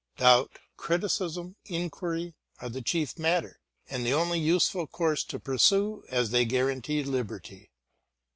Doubt, criticism, inquiry are the chief matter, and the only useful course to pursue, as they guarantee liberty.